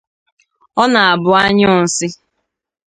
Ọ na-abụ a nyụọ nsị